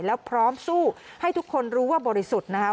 แล้วพร้อมสู้ให้ทุกคนรู้ว่าบริสุทธิ์นะคะ